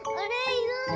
いない。